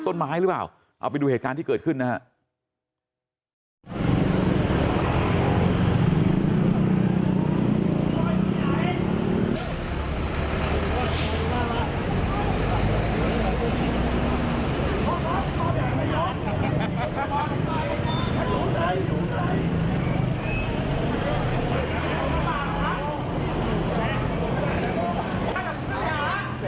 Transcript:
ต้นไม้หรือเปล่าเอาไปดูเหตุการณ์ที่เกิดขึ้นนะครับ